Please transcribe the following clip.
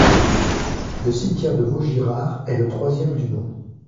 Le cimetière de Vaugirard est le troisième du nom.